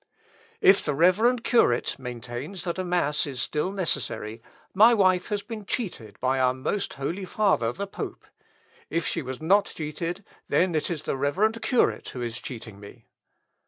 "If the reverend curate maintains that a mass is still necessary, my wife has been cheated by our most holy father the pope. If she was not cheated, then it is the reverend curate who is cheating me."